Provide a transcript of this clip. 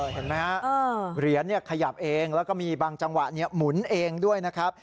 เห็นไหมฮะเหรียญขยับเองแล้วก็มีบางจังหวะหมุนเองด้วยนะครับ